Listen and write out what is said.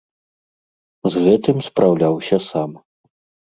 З гэтым спраўляўся сам.